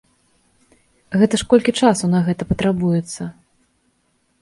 Гэта ж колькі часу на гэта патрабуецца?